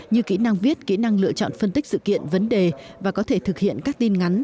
như kỹ năng viết kỹ năng lựa chọn phân tích sự kiện vấn đề và có thể thực hiện các tin ngắn